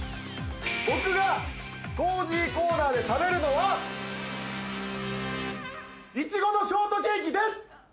僕がコージーコーナーで食べるのは苺のショートケーキです。